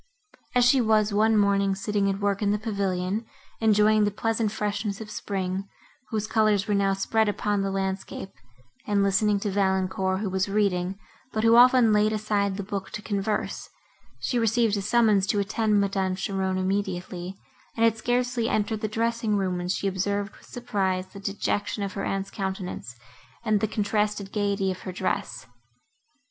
As she was, one morning, sitting at work in the pavilion, enjoying the pleasant freshness of spring, whose colours were now spread upon the landscape, and listening to Valancourt, who was reading, but who often laid aside the book to converse, she received a summons to attend Madame Cheron immediately, and had scarcely entered the dressing room, when she observed with surprise the dejection of her aunt's countenance, and the contrasted gaiety of her dress.